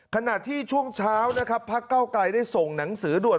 ขณะที่ช่วงเช้านะครับพักเก้าไกลได้ส่งหนังสือด่วน